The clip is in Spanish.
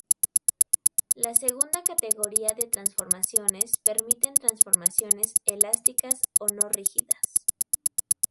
La segunda categoría de transformaciones permiten transformaciones "elásticas" o "no rígidas".